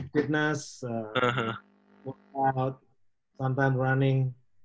fitness workout kadang kadang running